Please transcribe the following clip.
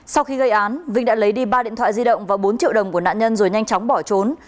sau khi gây án vinh đã lấy đi ba điện thoại di động và bốn triệu đồng của nạn nhân rồi nhanh chóng bỏ trốn